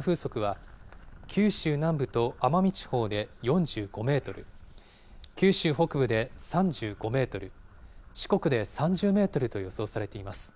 風速は九州南部と奄美地方で４５メートル、九州北部で３５メートル、四国で３０メートルと予想されています。